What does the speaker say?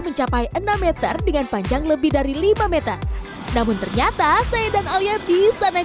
mencapai enam meter dengan panjang lebih dari lima m namun ternyata saya dan alia bisa naik